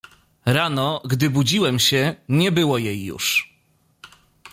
Rano, gdy budziłem się, nie było jej już.